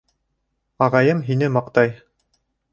Ағайым һине маҡтай.